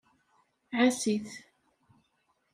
Ɛass-it.